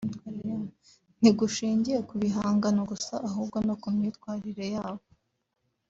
ntigushingiye ku bihangano gusa ahubwo no ku myitwarire yabo